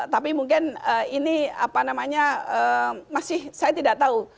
tapi mungkin ini apa namanya masih saya tidak tahu